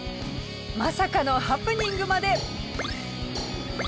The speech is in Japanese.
まさかのハプニングまで。